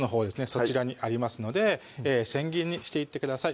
そちらにありますので千切りにしていってください